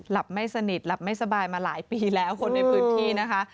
ไม่สนิทหลับไม่สบายมาหลายปีแล้วคนในพื้นที่นะคะ